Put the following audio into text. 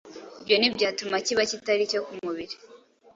ibyo ntibyatuma kiba kitari icyo ku mubiri.